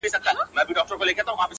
زموږ ملا صاحب هغه زړه سرُنا وايي!